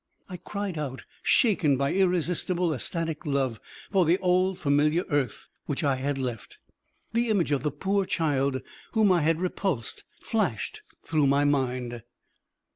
I cried out, shaken by irresistible, ecstatic love for the old familiar earth which I had left. The image of the poor child whom I had repulsed flashed through my mind.